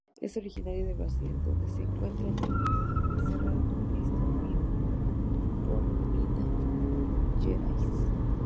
Es originaria de Brasil donde se encuentra en el Cerrado, distribuida por Minas Gerais.